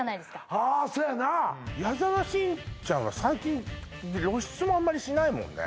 ああそやな矢沢心ちゃんは最近露出もあんまりしないもんね